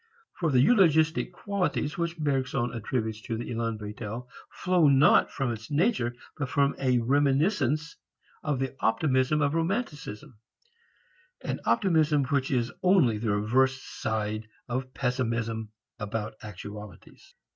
For the eulogistic qualities which Bergson attributes to the élan vital flow not from its nature but from a reminiscence of the optimism of romanticism, an optimism which is only the reverse side of pessimism about actualities.